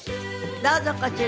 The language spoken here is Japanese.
どうぞこちらへ。